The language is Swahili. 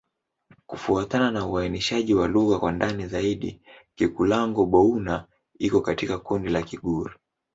Kufuatana na uainishaji wa lugha kwa ndani zaidi, Kikulango-Bouna iko katika kundi la Kigur.